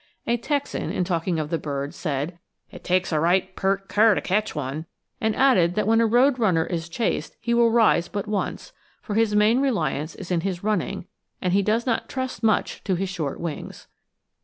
A Texan, in talking of the bird, said, "It takes a right peart cur to catch one," and added that when a road runner is chased he will rise but once, for his main reliance is in his running, and he does not trust much to his short wings.